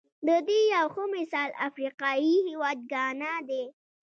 د دې یو ښه مثال افریقايي هېواد ګانا دی.